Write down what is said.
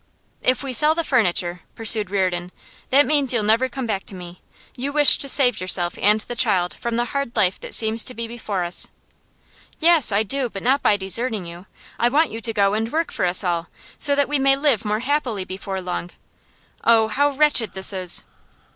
'If we sell the furniture,' pursued Reardon, 'that means you'll never come back to me. You wish to save yourself and the child from the hard life that seems to be before us.' 'Yes, I do; but not by deserting you. I want you to go and work for us all, so that we may live more happily before long. Oh, how wretched this is!